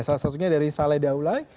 salah satunya dari saleh daulai